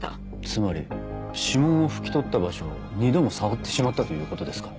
つまり指紋を拭き取った場所を２度も触ってしまったということですか？